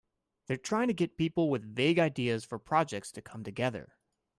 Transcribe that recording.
They're trying to get people with vague ideas for projects to come together.